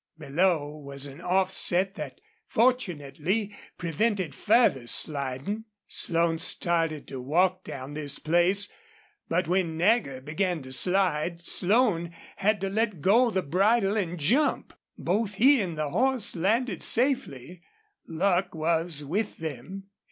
Below was an offset that fortunately prevented further sliding, Slone started to walk down this place, but when Nagger began to slide Slone had to let go the bridle and jump. Both he and the horse landed safely. Luck was with them.